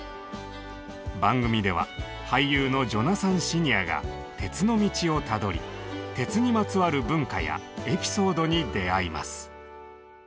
番組では俳優のジョナサン・シニアが「鉄の道」をたどり鉄にまつわる文化やエピソードに出会います。